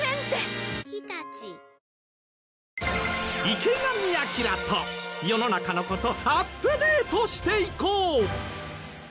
池上彰と世の中の事アップデートしていこう！